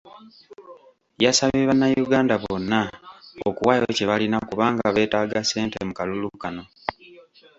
Yasabye bannayuganda bonna okuwaayo kyebalina kubanga beetaaga ssente mu kalulu kano.